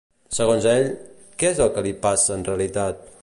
Segons ell, què és el que li passa en realitat?